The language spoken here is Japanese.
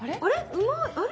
うまい。